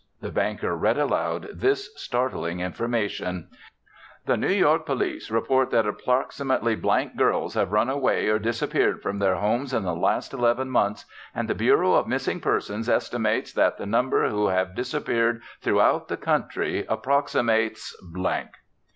The banker read aloud this startling information: "'The New York police report that approximately 3600 girls have run away or disappeared from their homes in the past eleven months, and the Bureau of Missing Persons estimates that the number who have disappeared throughout the country approximates 68,000.'"